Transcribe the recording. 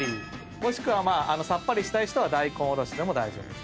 もしくはさっぱりしたい人は大根おろしでも大丈夫です。